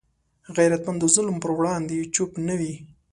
غیرتمند د ظلم پر وړاندې چوپ نه وي